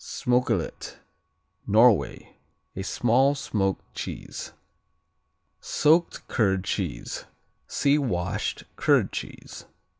Smokelet Norway. A small smoked cheese. Soaked curd cheese see Washed curd cheese.